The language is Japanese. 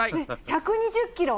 １２０キロ。